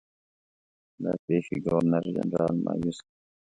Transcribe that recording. دا پیښې ګورنرجنرال مأیوس کړ.